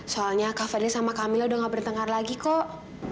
soalnya kak fadli sama kamila udah gak bertengkar lagi kok